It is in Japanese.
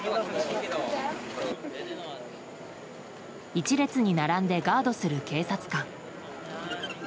一列に並んでガードする警察官。